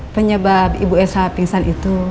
penyebab ibu sh pingsan itu